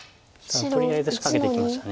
ただとりあえず仕掛けてきました。